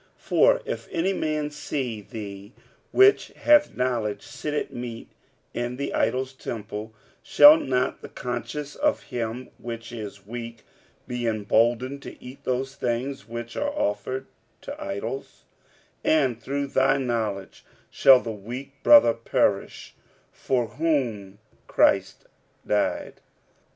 46:008:010 For if any man see thee which hast knowledge sit at meat in the idol's temple, shall not the conscience of him which is weak be emboldened to eat those things which are offered to idols; 46:008:011 And through thy knowledge shall the weak brother perish, for whom Christ died?